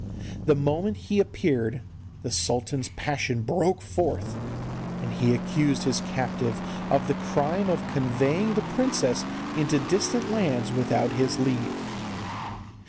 The moment he appeared the sultan's passion broke forth, and he accused his captive of the crime of conveying the princess into distant lands without his leave.